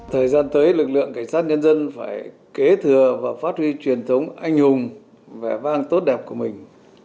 thời gian tới lực lượng cảnh sát nhân dân phải kế thừa và phát huy truyền thống anh hùng vẻ vang tốt đẹp của mình